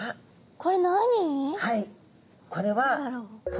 これ何？